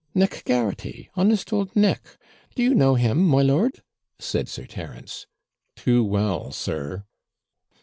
'Nick Garraghty, honest old Nick; do you know him, my lord?' said Sir Terence. 'Too well, sir.'